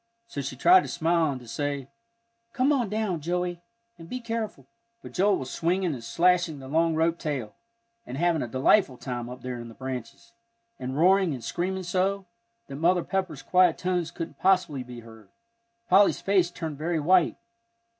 So she tried to smile and to say, "Come down, Joey, and be careful." But Joel was swinging and slashing the long rope tail, and having a delightful time up there in the branches, and roaring and screaming so, that Mother Pepper's quiet tones couldn't possibly be heard. Polly's face turned very white.